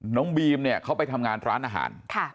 น้องบีมเนี่ยเขาไปทำงานร้านอาหาร